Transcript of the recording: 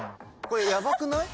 これヤバくない？